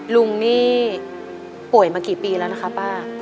ลุงนี่ป่วยมากี่ปีแล้วนะคะป้า